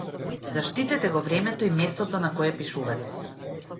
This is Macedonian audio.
Заштитете го времето и местото на кое пишувате.